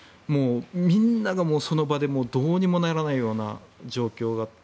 みんながその場でどうにもならないような状況があって。